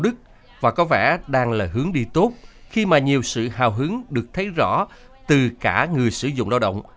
đức và có vẻ đang là hướng đi tốt khi mà nhiều sự hào hứng được thấy rõ từ cả người sử dụng lao động